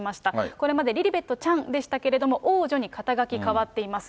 これまでリリベットちゃんでしたけれども、王女に肩書変わっています。